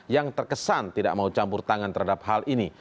yang terkesan tidak mau campur tangan terhadap hal ini